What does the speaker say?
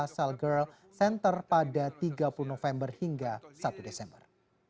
selger center pada tiga puluh november hingga satu desember